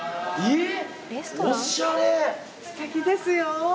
すてきですよ。